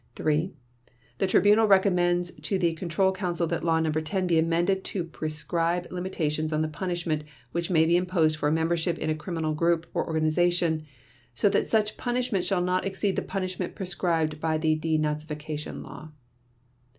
3. The Tribunal recommends to the Control Council that Law No. 10 be amended to prescribe limitations on the punishment which may be imposed for membership in a criminal group or organization so that such punishment shall not exceed the punishment prescribed by the De Nazification Law.